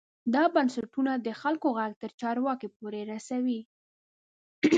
دا بنسټونه د خلکو غږ تر چارواکو پورې رسوي.